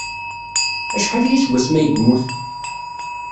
Acḥal aya seg wasmi ay yemmut?